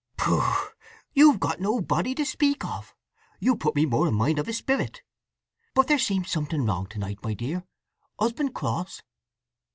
"Pshoo—you've got no body to speak of! You put me more in mind of a sperrit. But there seems something wrong to night, my dear. Husband cross?"